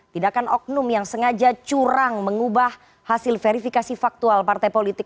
tidakkan oknum yang sengaja curang mengubah hasil verifikasi faktual partai politik